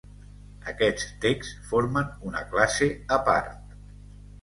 Aquests texts formen una classe a part.